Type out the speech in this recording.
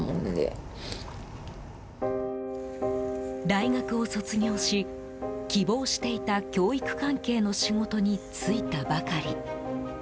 大学を卒業し、希望していた教育関係の仕事に就いたばかり。